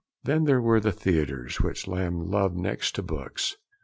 Then there were the theatres, which Lamb loved next to books.